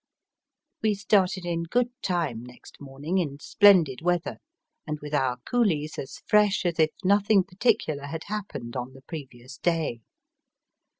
We started in good time next morning in splendid weather, and with our coolies as fresh as if nothing particular had happened on the previous day.